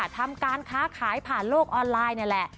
ทำการค้าขายผ่านโลกออนไลน์นี่แหละ